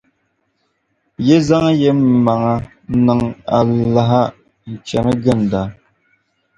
Yi zaŋ yimaŋa niŋ alaha n-chani ginda.